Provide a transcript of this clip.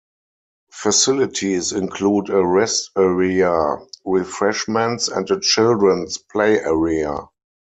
Facilities include a rest area, refreshments and a children's play area.